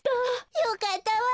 よかったわべ。